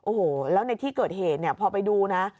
โอ้โหแล้วในที่เกิดเหตุเนี่ยพอไปดูนะ